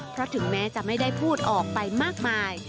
เพราะถึงแม้จะไม่ได้พูดออกไปมากมาย